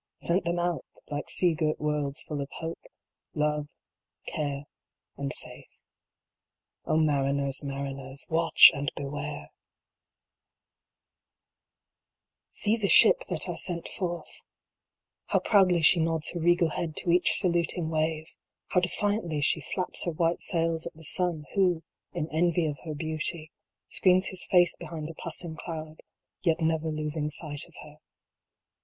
Sent them out like sea girt worlds full of hope, love, care, and faith. O mariners, mariners, watch and beware ! II. See the Ship that I sent forth ! How proudly she nods her regal head to each saluting wave ! How defiantly she flaps her white sails at the sun, who, in envy of her beauty, screens his face behind a passing cloud, yet never losing sight of her.